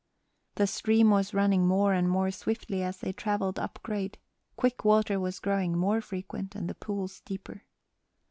The stream was running more and more swiftly as they travelled up grade; quick water was growing more frequent and the pools deeper.